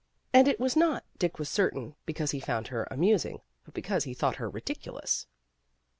And it was not, Dick was certain, because he found her amus ing, but because he thought her ridiculous.